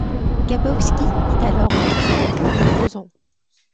Gabrovski est alors suspendu pour deux ans.